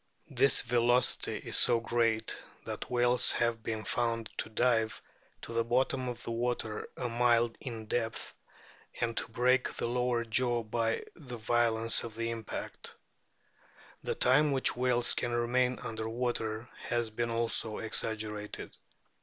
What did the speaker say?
This velocity is so great that whales have been found to dive to the bottom of water a mile in depth and to break the lower jaw by the violence of the impact. The time which whales can remain under water has been also exaggerated.